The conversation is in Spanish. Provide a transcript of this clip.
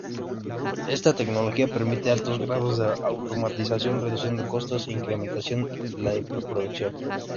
Esta tecnología permite altos grados de automatización, reduciendo costos e incrementando la producción.